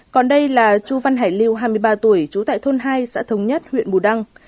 còn đây là chú văn hải lưu hai mươi ba tuổi chú tệ thôn hai xã thống nhất huyện bù đăng